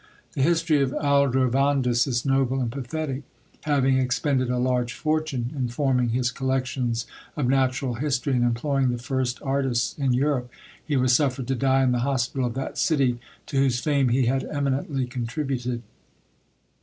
The history of Aldrovandus is noble and pathetic; having expended a large fortune in forming his collections of natural history, and employing the first artists in Europe, he was suffered to die in the hospital of that city, to whose fame he had eminently contributed.